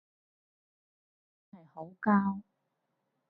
呢張圖真係好膠